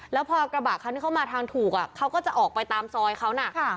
แล้วพอกระบะคันที่เขามาทางถูกเขาก็จะออกไปตามซอยเขานะ